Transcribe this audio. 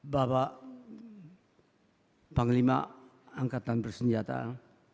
bapak panglima angkatan persenjataan